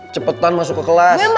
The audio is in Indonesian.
cepetan masuk ke kelas